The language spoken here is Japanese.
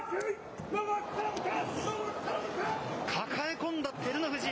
抱え込んだ照ノ富士。